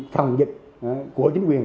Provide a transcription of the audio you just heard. phòng dịch của chính quyền